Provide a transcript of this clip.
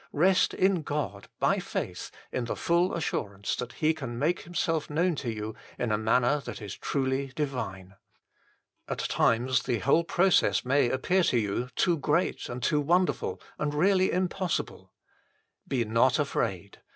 Rest in God by faith in the full assurance that He can make Himself known to you in a manner that is truly divine. At times the whole process may appear to you too great and too wonderful, and really HOW IT IS OBTAINED BY US 89 impossible. Be not afraid.